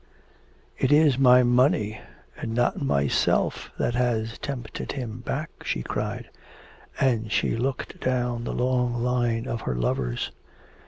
'It is my money and not myself that has tempted him back,' she cried, and she looked down the long line of her lovers.